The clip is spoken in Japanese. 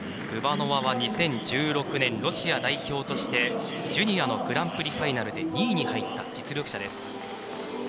グバノワは２０１６年、ロシア代表としてジュニアのグランプリファイナルで２位に入った実力者です。